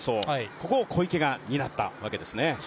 ここを小池が担ったわけですね。